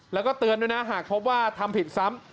แล้วก็เตือนด้วยนะหากพบว่าทำผิดซ้ำ